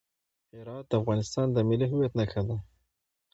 هرات د افغانستان د ملي هویت نښه ده.